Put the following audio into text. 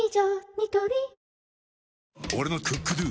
ニトリ俺の「ＣｏｏｋＤｏ」！